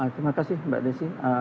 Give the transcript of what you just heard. terima kasih mbak desi